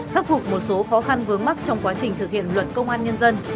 khắc phục một số khó khăn vướng mắt trong quá trình thực hiện luật công an nhân dân